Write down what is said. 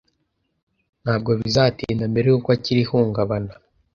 Ntabwo bizatinda mbere yuko akira ihungabana.